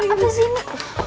apa sih ini